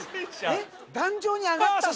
えっ壇上に上がったの？